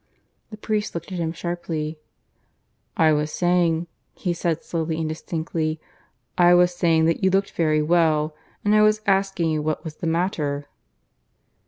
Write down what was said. The priest looked at him sharply. "I was saying," he said slowly and distinctly, "I was saying that you looked very well, and I was asking you what was the matter."